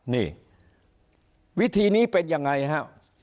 นี่วิธีนี้เป็นยังไงฮะ